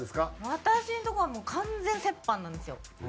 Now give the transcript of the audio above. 私のとこはもう完全折半なんですよ。